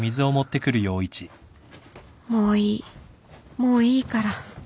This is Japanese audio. もういいもういいから